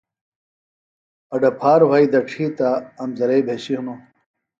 اڈہ پھار وھئیۡ دڇھی تہ امزرئیۡ بھیۡشیۡ ہنوۡ